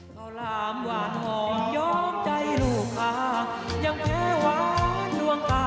เฮียที่สุด